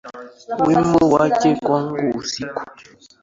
Wimbo wake kwangu usiku.